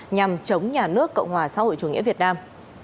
nhằm chống nhà nước cộng hòa xã hội chủ nghĩa việt nam